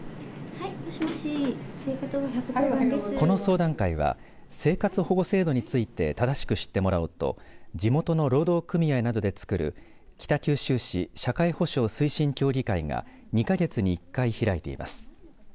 この相談会は生活保護制度について正しく知ってもらおうと地元の労働組合などで作る北九州市社会保障推進協議会が２か月に１回開いています。